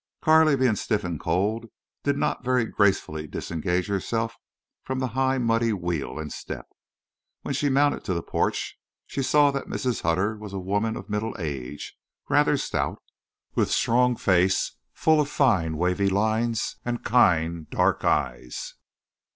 Carley, being stiff and cold, did not very gracefully disengage herself from the high muddy wheel and step. When she mounted to the porch she saw that Mrs. Hutter was a woman of middle age, rather stout, with strong face full of fine wavy lines, and kind dark eyes.